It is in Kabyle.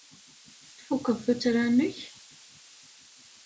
Tfukeḍ tuttra-nnek?